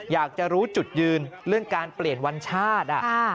อยากจะรู้จุดยืนเรื่องการเปลี่ยนวันชาติ